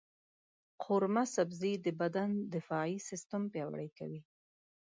قورمه سبزي د بدن دفاعي سیستم پیاوړی کوي.